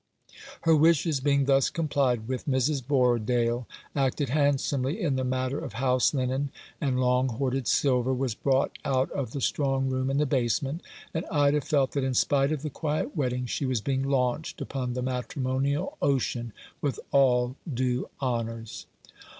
Her wishes being thus complied with, Mrs. Borrodaile acted handsomely in the matter of house linen, and long hoarded silver was brought out of the strong room in the basement, and Ida felt that, in spite of the quiet wedding, she was 299 Rough Justice. being launched upon the matrimonial ocean with all due honours.